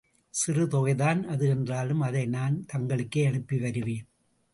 சிறு தொகைதான் அது என்றாலும், அதை நான் தங்களுக்கே அனுப்பி வருவேன்.